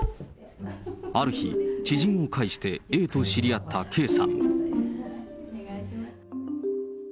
ある日、知人を介してＡと知り合ったＫさん。